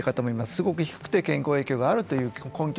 すごく低くて健康影響があるという根拠